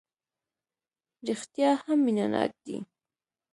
رېښتیا هم مینه ناک دی.